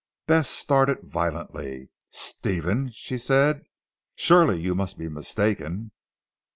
Bess started violently. "Stephen," she said, "surely you must be mistaken."